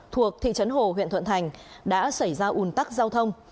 thuộc thị trấn hồ huyện thuận thành đã xảy ra ủn tắc giao thông